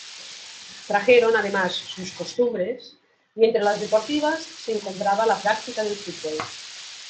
Trajeron además sus costumbres, y entre las deportivas se encontraba la práctica del fútbol.